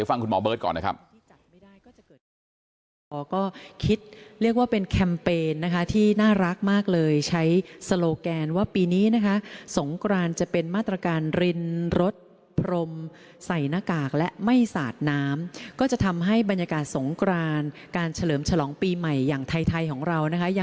อ่ะเดี๋ยวฟังคุณหมอเบิร์ตก่อนนะครับ